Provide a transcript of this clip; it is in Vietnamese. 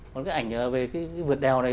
còn cái ảnh về cái vượt đèo này